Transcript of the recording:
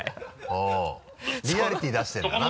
あぁリアリティー出してるんだな。